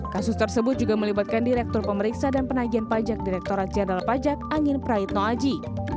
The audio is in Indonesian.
kasus tersebut juga melibatkan direktur pemeriksa dan penagihan pajak direkturat jenderal pajak angin praitno aji